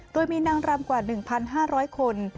โดยมีนางรำกว่า๑๕๐๐คน